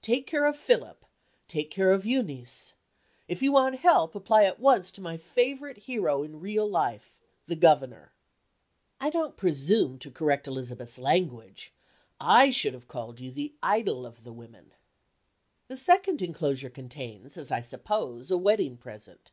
Take care of Philip, take care of Euneece. If you want help, apply at once to my favorite hero in real life, The Governor." I don't presume to correct Elizabeth's language. I should have called you The idol of the Women. The second inclosure contains, as I suppose, a wedding present.